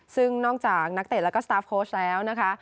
ซึ่งนอกจากนักเตะแล้วก็สตาร์ฟโค้ชแล้วนะคะ